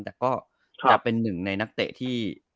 แต่ก็จะเป็นหนึ่งในนักเตะที่